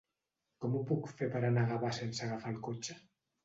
Com ho puc fer per anar a Gavà sense agafar el cotxe?